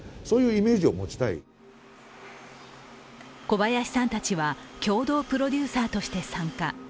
小林さんたちは共同プロデューサーとして参加。